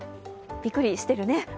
びっくりしてるね。